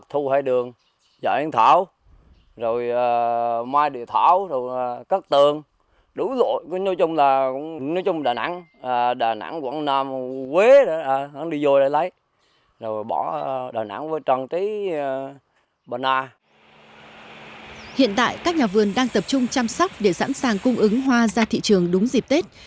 hiện tại các nhà vườn đang tập trung chăm sóc để sẵn sàng cung ứng hoa ra thị trường đúng dịp tết